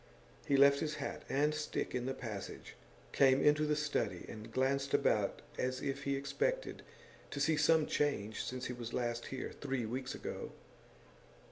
He left his hat and stick in the passage, came into the study, and glanced about as if he expected to see some change since he was last here, three weeks ago.